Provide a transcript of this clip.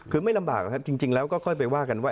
คือไม่ลำบากนะครับจริงแล้วก็ค่อยไปว่ากันว่า